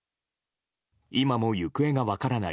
今も行方が分からない